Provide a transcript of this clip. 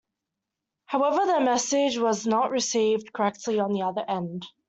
However, the message was not received correctly at the other end.